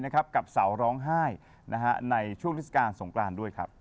กับเสาร้องไห้ในช่วงฤษกาลสงกรานด้วยครับ